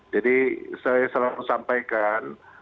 jadi saya selalu sampaikan